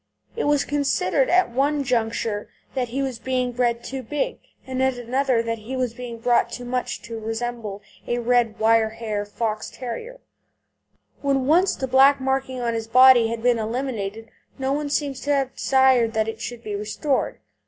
It was considered at one juncture that he was being bred too big, and at another that he was being brought too much to resemble a red wire hair Fox terrier. When once the black marking on his body had been eliminated no one seems to have desired that it should be restored.